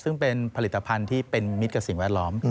ซึ่งเป็นผลิตภัณฑ์ที่เป็นมิตรกับสิ่งแวดล้อม